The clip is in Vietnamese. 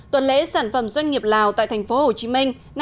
tuần lễ sản phẩm doanh nghiệp lào tại tp hcm